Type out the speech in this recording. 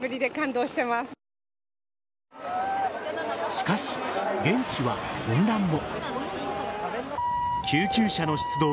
しかし、現地は混乱も。